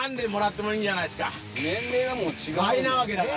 倍なわけだから。